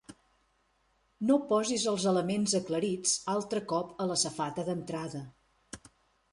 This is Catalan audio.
No posis els elements aclarits altre cop a la safata d'entrada.